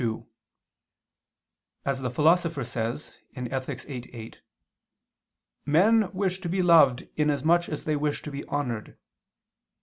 2: As the Philosopher says (Ethic. viii, 8), "men wish to be loved in as much as they wish to be honored."